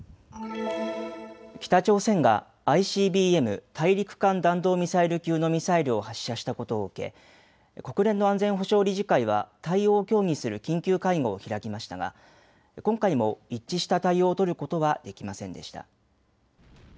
北朝鮮がＩＣＢＭ・大陸間弾道ミサイル級のミサイルを発射したことを受け、国連の安全保障理事会は対応を協議する緊急会合を開きましたが今回も一致した対応を取ることはできませんでした。